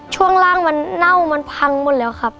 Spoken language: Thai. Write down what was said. ช่วงล่างมันเน่ามันพังหมดแล้วครับ